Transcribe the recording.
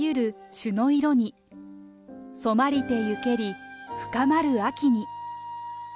朱の色に染まりてゆけり深まる秋に。